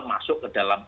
masuk ke dalam